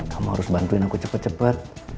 kamu harus bantuin aku cepet cepet